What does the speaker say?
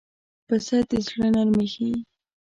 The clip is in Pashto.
پسه د زړه نرمي ښيي.